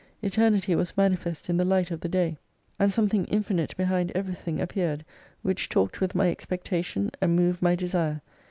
Eternity was manifest in the Light of the Day, and something infinite behind everything appeared : which talked with my expectation and noved my desire.